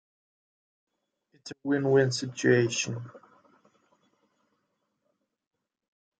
It's a win-win situation.